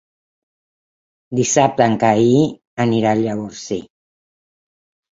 Dissabte en Cai anirà a Llavorsí.